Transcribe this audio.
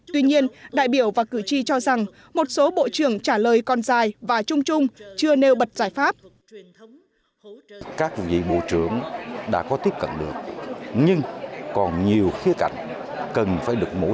tuy nhiên đại biểu và cử tri cho rằng một số bộ trưởng trả lời còn dài và chung chung chưa nêu bật giải pháp